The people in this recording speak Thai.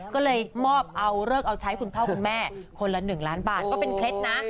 ก็เลยมอบเอาเลิกเอาใช้คุณพ่อคุณแม่คนละ๑ล้านบาทก็เป็นเคล็ดนะ